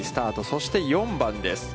そして４番です。